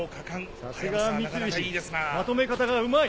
さすがは三菱まとめ方がうまい。